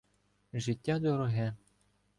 Життя дороге